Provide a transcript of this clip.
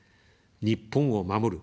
日本を守る。